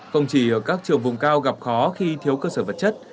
không chỉ ở các trường vùng cao gặp khó khi thiếu cơ sở vật chất